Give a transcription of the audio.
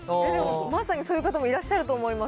まさにそういう方もいらっしゃると思います。